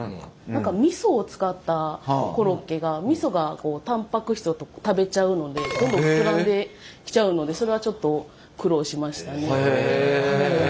何かみそを使ったコロッケがみそがタンパク質を食べちゃうのでどんどん膨らんできちゃうのでそれはちょっと苦労しましたね。